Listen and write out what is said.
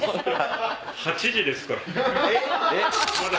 ８時ですから。